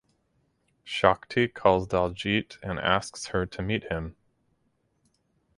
Shakti calls Daljeet and asks her to meet him.